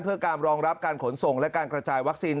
เพื่อการรองรับการขนส่งและการกระจายวัคซีน